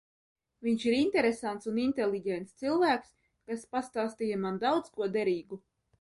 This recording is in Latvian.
Viņš ir interesants un inteliģents cilvēks, kas pastāstīja man daudz ko derīgu.